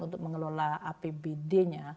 untuk mengelola apbd nya